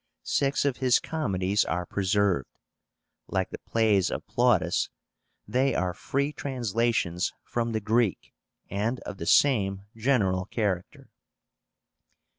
Six of his comedies are preserved. Like the plays of Plautus, they are free translations from the Greek, and of the same general character.